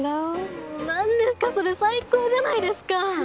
もう何ですかそれ最高じゃないですか。